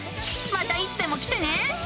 またいつでも来てね。